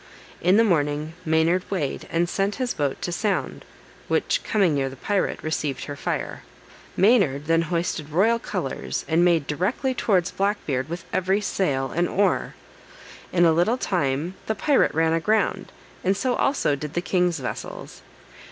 In the morning Maynard weighed, and sent his boat to sound, which coming near the pirate, received her fire. Maynard then hoisted royal colors, and made directly towards Black Beard with every sail and oar. In a little time the pirate ran aground, and so also did the king's vessels.